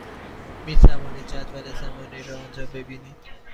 می توانید جدول زمانی را آنجا ببینید.